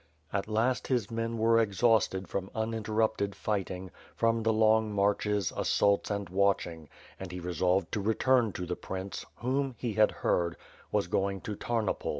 At last his men were exhausted from uninterrupted fight ing, from the long marches, assaults, and watching, and he resolved to return to the prince, whom, he had heard, was going to Tamopol.